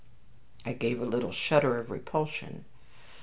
I gave a little shudder of repulsion.